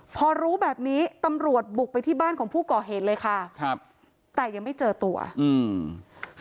พอรู้แบบนี้ตำรวจบุกไปที่บ้านของผู้ก่อเหตุเลยค่ะครับแต่ยังไม่เจอตัวอืม